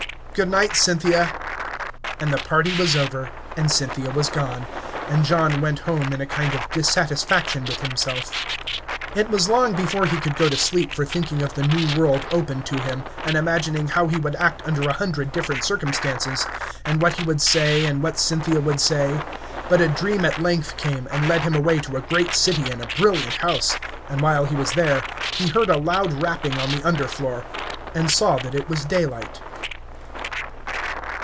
"Good night, Cynthia!" And the party was over, and Cynthia was gone, and John went home in a kind of dissatisfaction with himself. It was long before he could go to sleep for thinking of the new world opened to him, and imagining how he would act under a hundred different circumstances, and what he would say, and what Cynthia would say; but a dream at length came, and led him away to a great city and a brilliant house; and while he was there, he heard a loud rapping on the under floor, and saw that it was daylight.